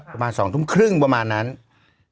ประมาณ๒ทุ่มครึ่งประมาณนั้น